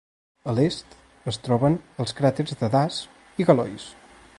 A l'est es troben els cràters de Das i Galois.